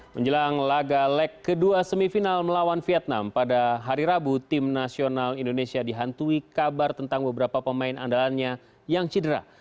menjelang laga leg kedua semifinal melawan vietnam pada hari rabu tim nasional indonesia dihantui kabar tentang beberapa pemain andalannya yang cedera